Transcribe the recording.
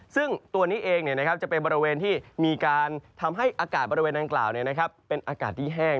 ซึ่งตัวนี้เองจะเป็นบริเวณที่มีการทำให้อากาศบริเวณดังกล่าวเป็นอากาศที่แห้ง